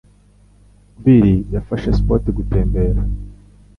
Bill, wafashe Spot gutembera?